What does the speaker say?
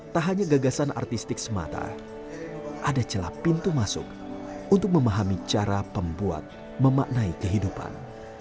tak hanya gagasan artistik semata ada celah pintu masuk untuk memahami cara pembuat memaknai kehidupan